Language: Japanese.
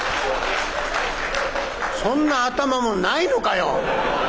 そんな頭もないのかよ？